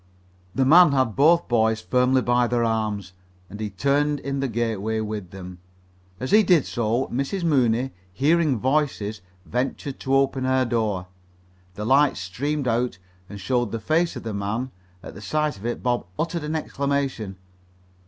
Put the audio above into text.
The man had both boys firmly by their arms, and he turned in the gateway with them. As he did so, Mrs. Mooney, hearing voices, ventured to open her door. The light streamed out and showed the face of the man. At the sight of it Bob uttered an exclamation.